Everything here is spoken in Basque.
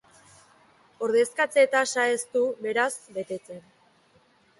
Ordezkatze-tasa ez du, beraz, betetzen.